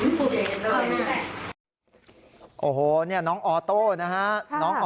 มาลองตรงนี้มันก็ไม่ออกทีนี้ผมกดแรงแล้วมันก็